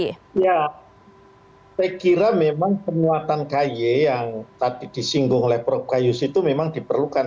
saya kira memang penguatan ky yang tadi disinggung oleh prof gayus itu memang diperlukan